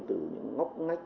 từ những ngóc ngách